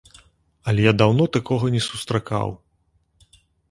Але я даўно такога не сустракаў.